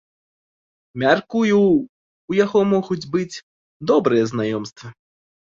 Мяркую, у яго могуць быць добрыя знаёмствы.